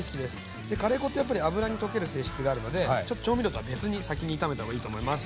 カレー粉ってやっぱり油に溶ける性質があるのでちょっと調味料とは別に先に炒めた方がいいと思います。